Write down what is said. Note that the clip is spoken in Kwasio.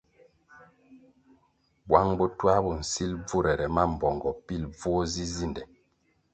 Bwang botuā bo nsil bvurere mambpongo pilʼ bvuo zi zinde.